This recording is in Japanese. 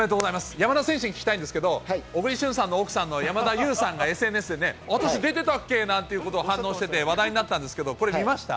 山田選手に聞きたいんですけど、小栗旬さんの奥さんの山田優さんがＳＮＳで私出てたっけ？なんてことを反応してて話題になったんですけど、見ました？